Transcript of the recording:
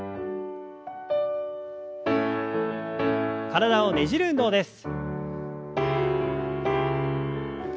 体をねじる運動です。